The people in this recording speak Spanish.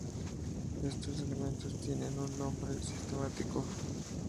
Estos elementos tienen un nombre sistemático